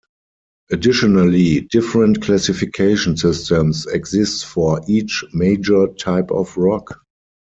Additionally, different classification systems exist for each major type of rock.